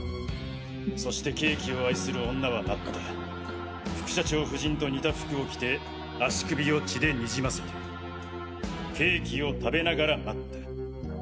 そしてケーキを愛する女は待った副社長夫人と似た服を着て足首を血でにじませてケーキを食べながら待った。